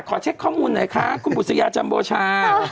เช็คข้อมูลหน่อยคะคุณบุษยาจัมโบชา